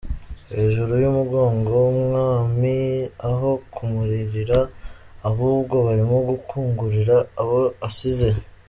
Hejuru y’umugogo w’umwami, aho kumuririra, ahubwo barimo gukungurira abo asize.